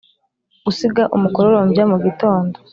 gusiga umukororombya mugitondo!